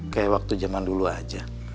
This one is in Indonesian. kayak waktu zaman dulu aja